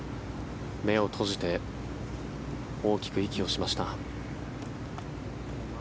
目を閉じて大きく息をしました。